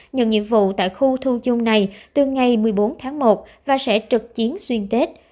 nhận nhiệm vụ tại khu thu chung này từ ngày một mươi bốn tháng một và sẽ trực chiến xuyên tết